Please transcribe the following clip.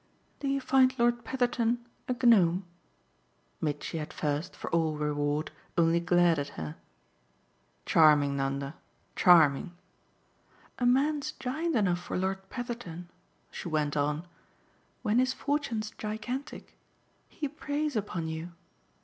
"Do you find Lord Petherton a Gnome?" Mitchy at first, for all reward, only glared at her. "Charming, Nanda charming!" "A man's giant enough for Lord Petherton," she went on, "when his fortune's gigantic. He preys upon you."